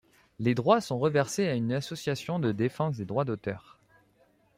Les droits sont reversés à une association de défense des droits d'auteur.